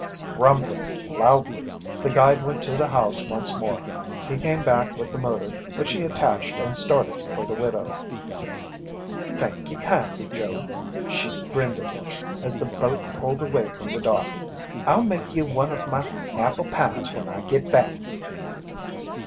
Grumbling loudly, the guide went to the house once more. He came back with the motor which he attached and started for the widow. "Thank ye kindly, Joe," she grinned at him as the boat pulled away from the dock. "I'll make ye one of my apple pies when I git back."